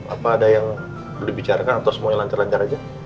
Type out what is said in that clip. apa ada yang dibicarakan atau semuanya lancar lancar aja